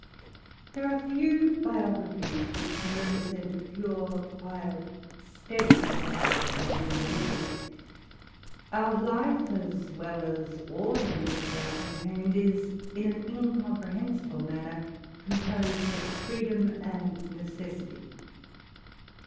There are few biographies which can represent a pure, quiet, teady progress of the individual. Our life, as well as that whole in which we are contained, is, in an incomprehensible manner, composed of freedom and necessity.